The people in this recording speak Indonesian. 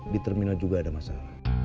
di terminal juga ada masalah